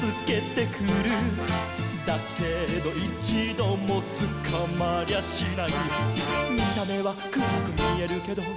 「だけどいちどもつかまりゃしない」「見た目はくらくみえるけど」